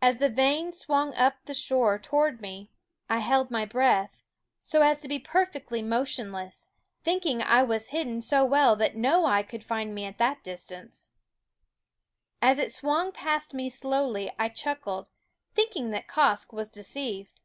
As the vane swung up the shore toward me I held my ^., ffie Eyed Quoskh Keen Eyed SCHOOL Of breath, so as to be perfectly motionless, thinking I was hidden so well that no eye could find me at that distance. As it swung past me slowly I chuckled, thinking that Quoskh was deceived.